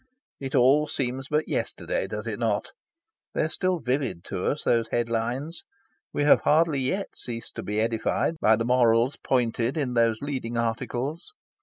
(It all seems but yesterday, does it not? They are still vivid to us, those head lines. We have hardly yet ceased to be edified by the morals pointed in those leading articles.)